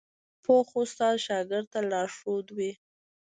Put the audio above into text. پوخ استاد شاګرد ته لارښود وي